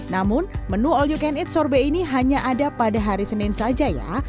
namun menu all you can eat sorbet ini hanya ada pada hari senin saja ya